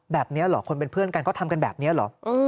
แบบนี้เหรอคนเป็นเพื่อนกันเขาทำกันแบบนี้เหรอ